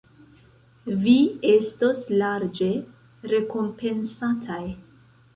Vi estos larĝe rekompensataj.